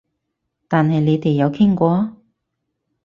但係你哋有傾過？